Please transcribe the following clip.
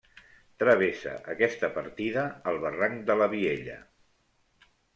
Travessa aquesta partida el barranc de la Viella.